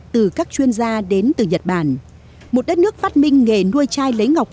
từ các chuyên gia đến từ nhật bản một đất nước phát minh nghề nuôi chai lấy ngọc